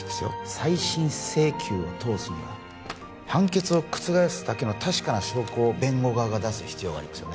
再審請求を通すには判決を覆すだけの確かな証拠を弁護側が出す必要がありますよね